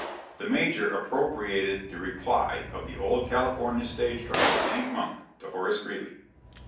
The Major appropriated the reply of the old California stage driver, Hank Monk, to Horace Greely.